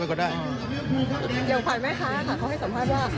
ยังภัยไหมคะเขาให้สัมภาษณ์ว่า